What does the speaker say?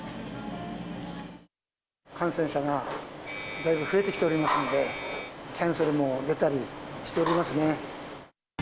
感染者がだいぶ増えてきておりますので、キャンセルも出たりしておりますね。